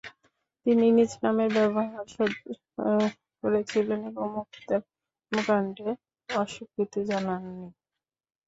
তিনি নিজ নামের ব্যবহার সহ্য করেছিলেন এবং মুখতারের কর্মকাণ্ডে অস্বীকৃতি জানাননি।